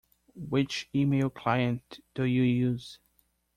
Which email client do you use?